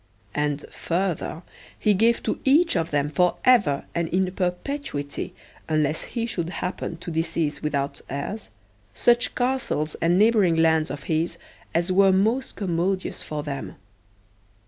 And, further, he gave to each of them for ever and in perpetuity, unless he should happen to decease without heirs, such castles and neighbouring lands of his as were most commodious for them.